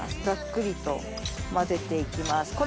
ざっくりと混ぜて行きます